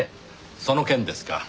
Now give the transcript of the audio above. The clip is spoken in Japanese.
その件ですか。